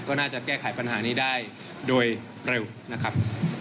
ก็น่าจะแก้ไขปัญหานี้ได้โดยเร็วนะครับ